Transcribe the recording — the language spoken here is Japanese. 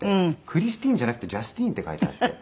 「クリスティーン」じゃなくて「ジャスティーン」って書いてあって。